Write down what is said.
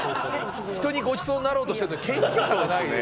人にごちそうになろうとしてるのに謙虚さがないよ。